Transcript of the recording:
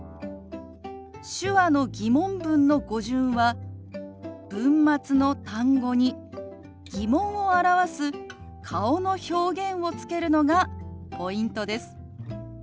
手話の疑問文の語順は文末の単語に疑問を表す顔の表現をつけるのがポイントです。